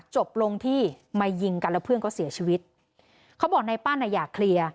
จบลงที่มายิงกันแล้วเพื่อนก็เสียชีวิตเขาบอกนายปั้นอ่ะอยากเคลียร์